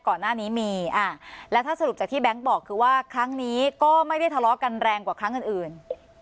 ก่อนหน้านี้มีและถ้าสรุปจากที่แก๊งบอกคือว่าครั้งนี้ก็ไม่ได้ทะเลาะกันแรงกว่าครั้งอื่น